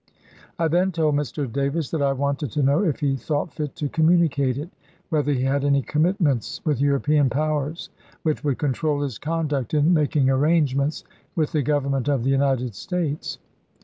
I then told Mr. Davis that I wanted to know if he thought fit to communicate it, whether he had any commitments with European powers which would control his conduct in making arrangements with the Govern ment of the United States.